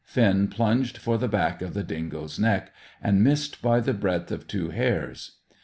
Finn plunged for the back of the dingo's neck, and missed by the breadth of two hairs.